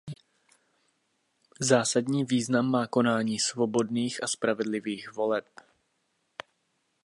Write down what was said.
Zásadní význam má konání svobodných a spravedlivých voleb.